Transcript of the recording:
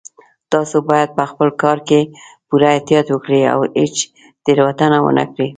تاسو باید په خپل کار کې پوره احتیاط وکړئ او هیڅ تېروتنه ونه کړئ